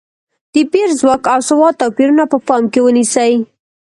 د پېر ځواک او سواد توپیرونه په پام کې ونیسي.